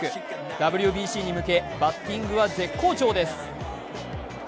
ＷＢＣに向けバッティングは絶好調です。